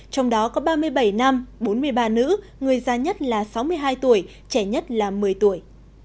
trong đó có ba mươi bảy nam bốn mươi ba nữ người già nhất là sáu mươi hai tuổi trẻ nhất là một mươi tuổi